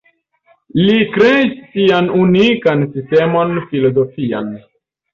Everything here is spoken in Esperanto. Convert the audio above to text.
Li kreis sian unikan sistemon filozofian.